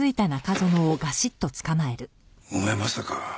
お前まさか。